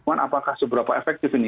apakah seberapa efektif ini